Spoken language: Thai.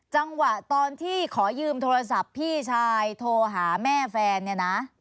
จังหวะตอนที่ขอยืมโทรศัพท์พี่ชายโทรหาแม่แฟนเนี่ยนะ